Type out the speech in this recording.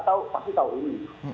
tahu pasti tahu ini